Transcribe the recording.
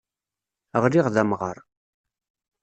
Ɣliɣ d amɣar.